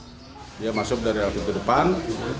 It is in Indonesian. sempat berpose dan mengacungkan jari tengah dihadapan kamera cctv